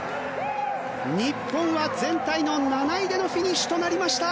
日本は全体の７位でのフィニッシュとなりました。